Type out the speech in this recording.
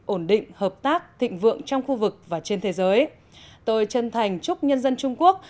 ổn định hợp tác thịnh vượng trong khu vực và trên thế giới tôi chân thành chúc nhân dân trung quốc